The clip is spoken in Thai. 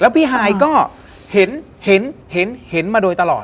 พี่ฮายก็เห็นมาโดยตลอด